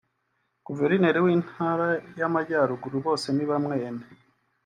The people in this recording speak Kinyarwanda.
Guverineri w’Intara y’Amajyaruguru Bosenibamwe Aime